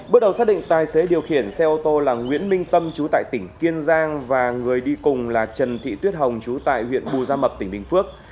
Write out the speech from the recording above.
bước đầu xác định tài xế điều khiển xe ô tô là nguyễn minh tâm chú tại tỉnh kiên giang và người đi cùng là trần thị tuyết hồng chú tại huyện bù gia mập tỉnh bình phước